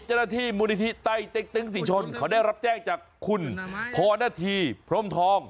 เจ้าหน้าที่มูลนิธิไต้เต็กตึงศรีชนเขาได้รับแจ้งจากคุณพรณฑีพรมทอง